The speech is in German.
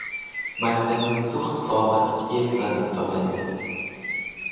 Meist werden nur Zuchtformen als Zierpflanzen verwendet.